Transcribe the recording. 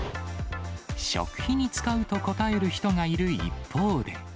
食費に使うと答える人がいる一方で。